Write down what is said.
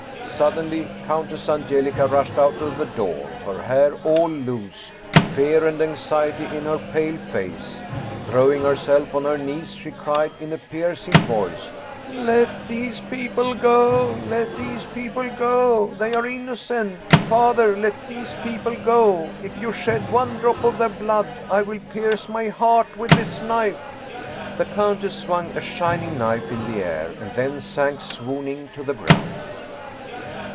Suddenly Countess Angelica rushed out of the door, her hair all loose, fear and anxiety in her pale face. Throwing herself on her knees, she cried in a piercing voice, ' Let these people go ! Let these people go ! They are innocent! Father, let these people go! If you shed one drop of their blood I will pierce my heart with this knife !' The countess swung a shining knife in the air and then sank swooning to the ground.